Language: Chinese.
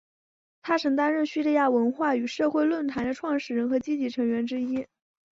他曾担任叙利亚文化与社会论坛的创始人和积极成员之一。